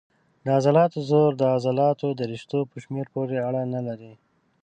د عضلاتو زور د عضلاتو د رشتو په شمېر پورې اړه نه لري.